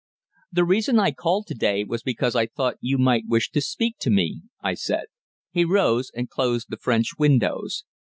"The reason I called to day was because I thought you might wish to speak to me," I said. He rose and closed the French windows.